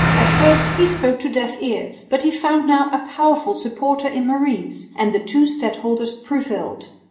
At first he spoke to deaf ears, but he found now a powerful supporter in Maurice, and the two stadholders prevailed.